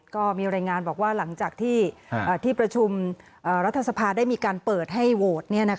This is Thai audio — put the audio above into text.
ก็มีรายงานบอกว่าหลังจากที่ที่ประชุมรัฐสภาได้มีการเปิดให้โหวต